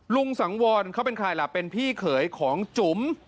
สังวรเขาเป็นใครล่ะเป็นพี่เขยของจุ๋ม